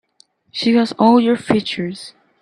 She has all your features.